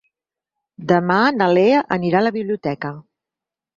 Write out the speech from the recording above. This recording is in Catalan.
Demà na Lea anirà a la biblioteca.